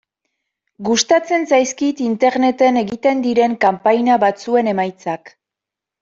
Gustatzen zaizkit Interneten egiten diren kanpaina batzuen emaitzak.